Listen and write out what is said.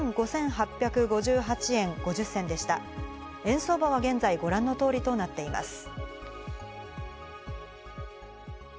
円相場は現在ご覧の通りとなっています。